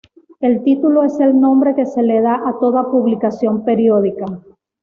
El título es el nombre que se le da a toda publicación periódica.